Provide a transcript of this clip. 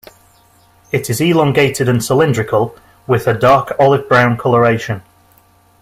It is elongated and cylindrical, with a dark olive-brown coloration.